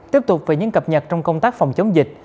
tiếp tục với những cập nhật trong công tác phòng chống dịch